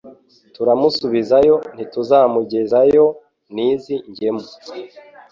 Turamusubizayo ntituzamugezayo n'izi ngemu